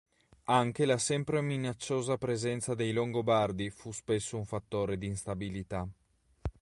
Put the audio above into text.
Anche la sempre minacciosa presenza dei Longobardi fu spesso un fattore d'instabilità.